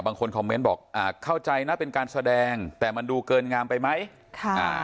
บางคนบอกอ่าเข้าใจน่ะเป็นการแสดงแต่มันดูเกินงามไปไหมค่ะ